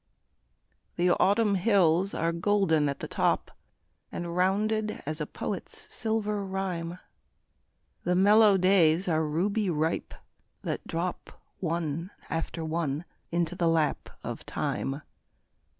The Autumn hills are golden at the top, And rounded as a poet's silver rhyme; The mellow days are ruby ripe, that drop One after one into the lap of time.